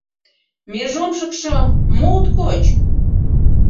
— Межомшыкшо, мо от коч?